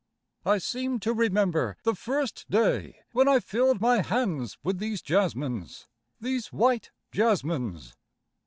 I seem to remember the first day when I filled my hands with these jasmines, these white jasmines.